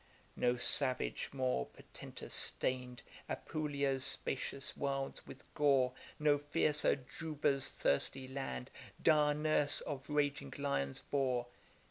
No savage more portentous stain'd Apulia's spacious wilds with gore; No fiercer Juba's thirsty land, Dire nurse of raging lions, bore.